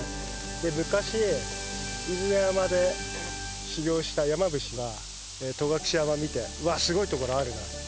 で昔飯縄山で修行した山伏は戸隠山見て「うわっすごいところあるな」。